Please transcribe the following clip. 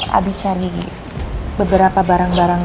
habis cari beberapa barang barang